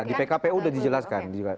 di pkpu sudah dijelaskan